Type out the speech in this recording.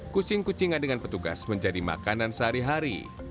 kucing kucing adegan petugas menjadi makanan sehari hari